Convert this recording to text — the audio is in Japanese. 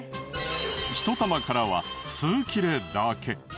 １玉からは数切れだけ。